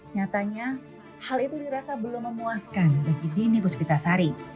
nyatanya hal itu dirasa belum memuaskan bagi dini puspitasari